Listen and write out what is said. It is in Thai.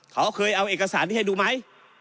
เขาเคยเอาเอกสารนี้ให้ดูไหม